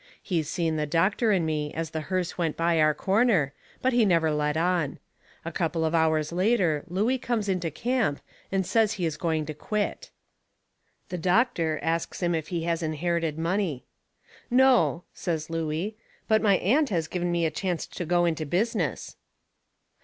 He seen the doctor and me as the hearse went by our corner, but he never let on. A couple of hours later Looey comes into camp and says he is going to quit. The doctor asts him if he has inherited money. "No," says Looey, "but my aunt has given me a chancet to go into business."